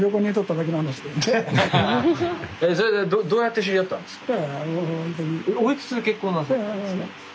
どうやって知り合ったんですか？